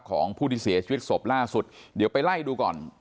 ของผู้ที่เสียชีวิตศพล่าสุดเดี๋ยวไปไล่ดูก่อน